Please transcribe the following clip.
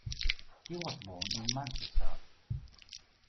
He was born in Manchester.